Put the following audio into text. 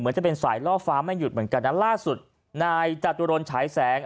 จะเป็นสายล่อฟ้าไม่หยุดเหมือนกันนะล่าสุดนายจตุรนฉายแสง